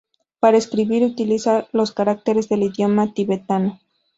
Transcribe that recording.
Para escribir utiliza los caracteres del idioma tibetano.